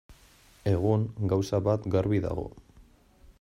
Egun, gauza bat garbi dago.